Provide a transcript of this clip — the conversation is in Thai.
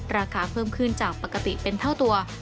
ราคาเพิ่มขึ้นจากปกติเป็นเท่าตัว